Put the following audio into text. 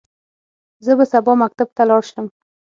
زه به سبا مکتب ته لاړ شم.